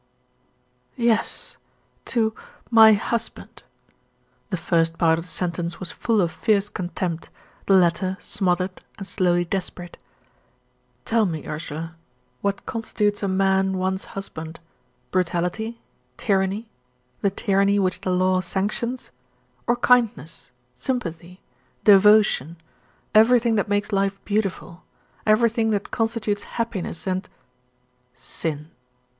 Yes, to MY HUSBAND." The first part of the sentence was full of fierce contempt; the latter, smothered, and slowly desperate. "Tell me, Ursula, what constitutes a man one's husband? Brutality, tyranny the tyranny which the law sanctions? Or kindness, sympathy, devotion, everything that makes life beautiful everything that constitutes happiness and " "Sin."